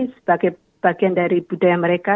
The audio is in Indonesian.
sebagai bagian dari budaya mereka